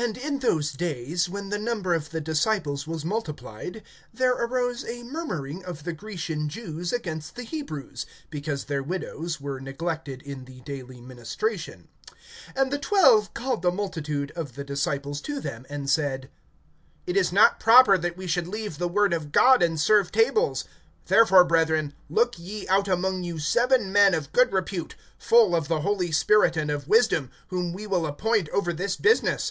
AND in these days, when the number of the disciples was multiplied, there arose a murmuring of the Grecian Jews against the Hebrews, because their widows were neglected in the daily ministration. (2)And the twelve called the multitude of the disciples to them, and said: It is not proper that we should leave the word of God, and serve tables. (3)Therefore, brethren, look ye out among you seven men of good repute, full of the Holy Spirit and of wisdom, whom we will appoint over this business.